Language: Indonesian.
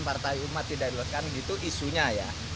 partai umat tidak dilakukan gitu isunya ya